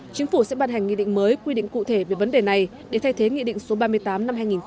chính phủ sẽ ban hành nghị định mới quy định cụ thể về vấn đề này để thay thế nghị định số ba mươi tám năm hai nghìn một mươi chín